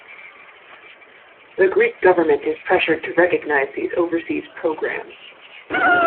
The Greek government is pressured to recognise these overseas programmes.